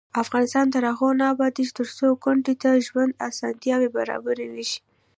افغانستان تر هغو نه ابادیږي، ترڅو کونډې ته د ژوند اسانتیاوې برابرې نشي.